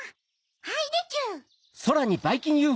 はいでちゅ。